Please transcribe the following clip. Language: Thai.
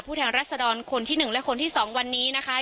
ผู้แทนรัฐสดรคนที่หนึ่งและคนที่สองวันนี้นะคะ